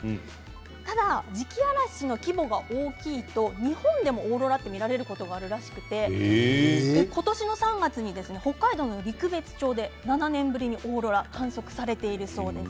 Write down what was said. ただ磁気嵐の規模が大きいと日本でもオーロラって見られることがあるらしくて今年の３月に北海道の陸別町で７年ぶりにオーロラが観測されているそうです。